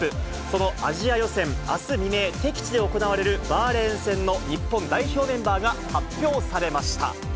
そのアジア予選、あす未明、敵地で行われるバーレーン戦の日本代表メンバーが発表されました。